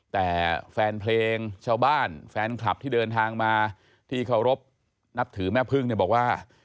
แต่แฟนเพลงชาวบ้านแฟนคลับที่เดินทางมาที่เคารพนับถือแม่พึ่งเนี่ยบอกว่า